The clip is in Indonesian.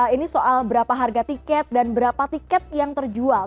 ini soal berapa harga tiket dan berapa tiket yang terjual